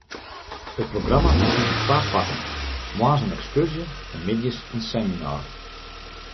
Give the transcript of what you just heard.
It programma bestiet út twa parten: moarns in ekskurzje en middeis in seminar.